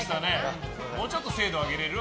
もうちょっと精度上げられる？